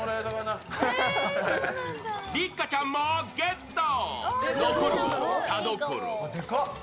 六花ちゃんもゲット。